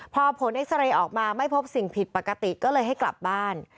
พอผลเอ็กซาเรย์ออกมาไม่พบสิ่งผิดปกติก็เลยให้กลับบ้าน